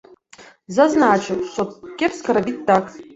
Зазначыў, што кепска рабіць так.